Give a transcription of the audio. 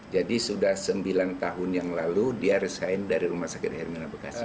jadi sudah sembilan tahun yang lalu dia resign dari rumah sakit hermina bekasi